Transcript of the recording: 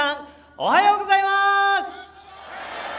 おはようございます！